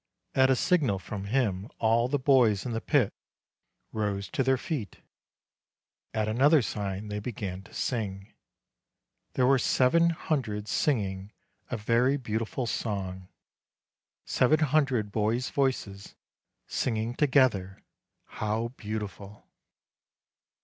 At a signal from him all the boys in the pit rose to their feet; at another sign they began to sing. There were seven hundred singing a very beautiful song, seven hundred boys' voices singing together; how beautiful!